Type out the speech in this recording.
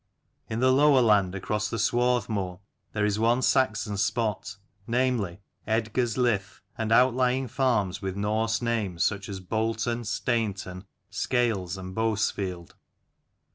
In the lower land across the Swarthmoor there is one Saxon spot, namely : Eadgar's lyth, and outlying farms with Norse names such as Bolton, Stainton, Scales and Bousfield.